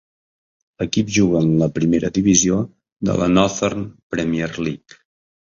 L'equip juga en la primera divisió de la Northern Premier League.